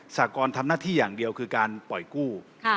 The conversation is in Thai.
สากรทำหน้าที่อย่างเดียวคือการปล่อยกู้